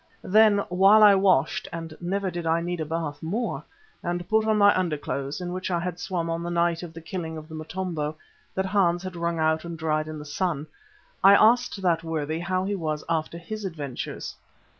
Then while I washed, and never did I need a bath more, and put on my underclothes, in which I had swum on the night of the killing of the Motombo, that Hans had wrung out and dried in the sun, I asked that worthy how he was after his adventures.